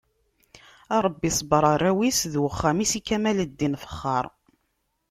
A Rebbi sebber arraw-is d uxxam-is i kamel Ddin Fexxar.